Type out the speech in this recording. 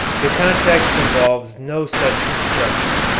The context involves no such construction.